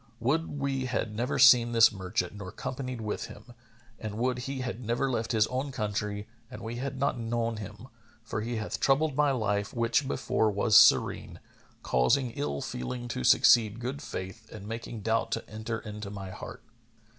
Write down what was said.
Would we had never seen this merchant nor companied with him; and would he had never left his own country and we had not known him, for he hath troubled my life which before was serene, causing ill feeling to succeed good faith and making doubt to enter into my heart."